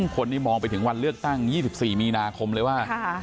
คนนี้มองไปถึงวันเลือกตั้ง๒๔มีนาคมเลยว่า